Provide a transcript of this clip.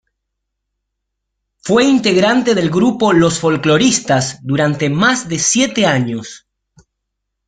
Fue integrante del grupo Los Folkloristas durante más de siete años.